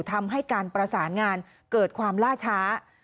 ทำให้การประสานงานเกิดความล่าช้า